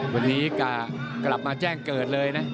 วันนี้กะกลับมาแจ้งเกิดเลยนะ